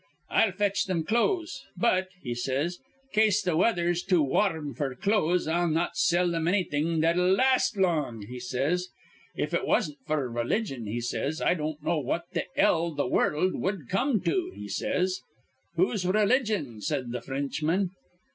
'I'll fetch thim clothes; but,' he says, cas th' weather's too war rum f'r clothes, I'll not sell thim annything that'll last long,' he says. 'If it wasn't f'r relligion,' he says, 'I don't know what th' 'ell th' wurruld wud come to,' he says. 'Who's relligion?' says th' Fr rinchman.